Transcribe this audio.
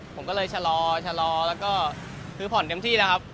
ผมก็เลยชะลอชะลอแล้วก็คือผ่อนเต็มที่แล้วครับ